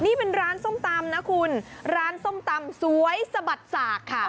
นี่เป็นร้านส้มตำนะคุณร้านส้มตำสวยสะบัดสากค่ะ